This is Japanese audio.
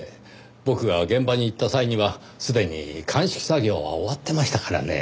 僕が現場に行った際にはすでに鑑識作業は終わってましたからねぇ。